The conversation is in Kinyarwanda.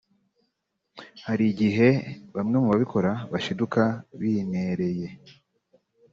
Hari igihe bamwe mu babikora bashiduka binereye